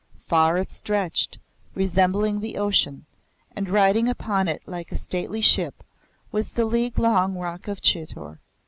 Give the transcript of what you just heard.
Far it stretched, resembling the ocean, and riding upon it like a stately ship was the league long Rock of Chitor.